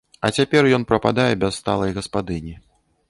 А цяпер ён прападае без сталай гаспадыні.